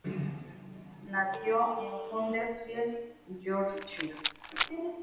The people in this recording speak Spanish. Nació en Huddersfield, Yorkshire.